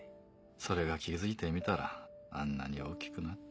それが気付いてみたらあんなに大きくなって。